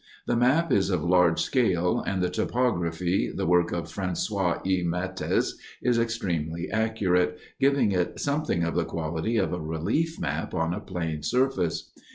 The map is of large scale, and the topography, the work of François E. Matthes, is extremely accurate, giving it something of the quality of a relief map on a plane surface.